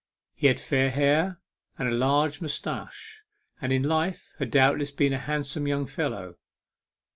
He had fair hair and a large moustache, and in life had doubtless been a handsome young fellow.